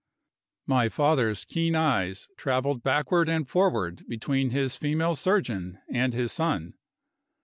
My father's keen eyes traveled backward and forward between his female surgeon and his son.